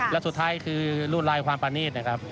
และสุดท้ายคือรวดลายความประนีตนะครับ